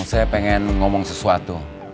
saya pengen ngomong sesuatu